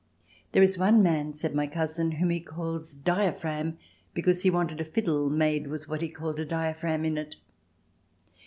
"There is one man," said my cousin, "whom he calls 'diaphragm' because he wanted a fiddle made with what he called a diaphragm in it.